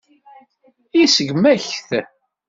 Iseggem-ak-t.